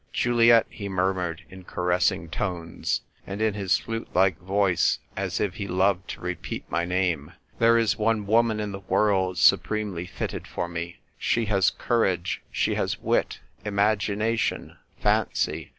"Juliet," he murmured, in caressing tones, and in his flute like voice, as if he loved to repeat my name, " there is one woman in the world supremely fitted for me. She has courage, she has wit, imagination, fancy.